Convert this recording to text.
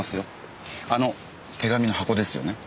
あの手紙の箱ですよね？